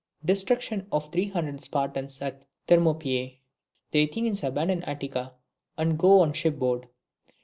Destruction of the three hundred Spartans at Thermopyae. The Athenians abandon Attica and go on shipboard.